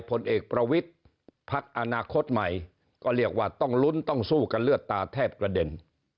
ผลเอกประวิทย์พักอนาคตใหม่ก็เรียกว่าต้องลุ้นต้องสู้กันเลือดตาแทบกระเด็น